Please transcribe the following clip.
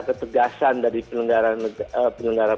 ketegasan dari penelenggara